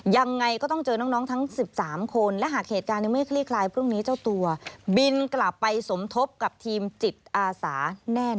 ยังไงก็ต้องเจอน้องทั้ง๑๓คนและหากเหตุการณ์ยังไม่คลี่คลายพรุ่งนี้เจ้าตัวบินกลับไปสมทบกับทีมจิตอาสาแน่